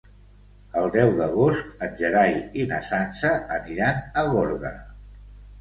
El deu d'agost en Gerai i na Sança aniran a Gorga.